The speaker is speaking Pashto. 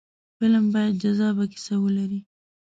فلم باید جذابه کیسه ولري